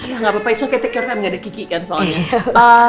gak apa apa it's okay take your time gak ada kiki kan soalnya